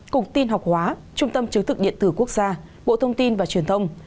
cục tin học hóa trung tâm chứng thực điện tử quốc gia bộ thông tin và truyền thông